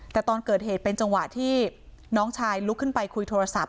แต่ตอนเกิดเหตุเป็นจังหวะที่น้องชายลุกขึ้นไปคุยโทรศัพท์